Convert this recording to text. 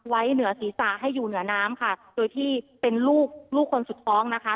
เหนือศีรษะให้อยู่เหนือน้ำค่ะโดยที่เป็นลูกลูกคนสุดท้องนะคะ